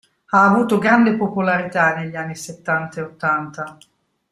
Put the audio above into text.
Ha avuto grande popolarità negli anni settanta e ottanta.